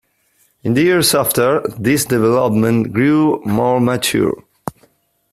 In the years after, these developments grew more mature.